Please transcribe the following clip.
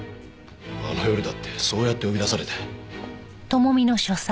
あの夜だってそうやって呼び出されて。